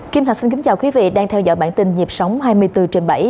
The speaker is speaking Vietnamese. kim thạch xin kính chào quý vị đang theo dõi bản tin nhịp sống hai mươi bốn trên bảy